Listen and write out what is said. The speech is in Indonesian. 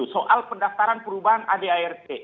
soal pendaftaran perubahan ad art